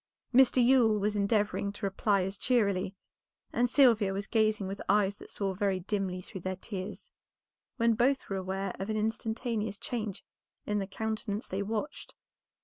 Mr. Yule was endeavoring to reply as cheerily, and Sylvia was gazing with eyes that saw very dimly through their tears, when both were aware of an instantaneous change in the countenance they watched.